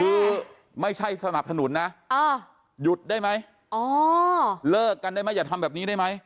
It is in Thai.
คือไม่ใช่สนับสนุนนะหยุดได้ไหมอ๋อเลิกกันได้ไหมอย่าทำแบบนี้ได้ไหม